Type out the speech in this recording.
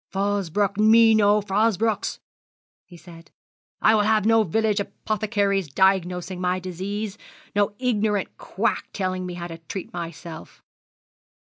'Fosbroke me no Fosbrokes!' he said. 'I will have no village apothecaries diagnosing my disease, no ignorant quack telling me how to treat myself.'